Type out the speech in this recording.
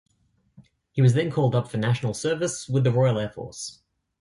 He was then called up for National Service with the Royal Air Force.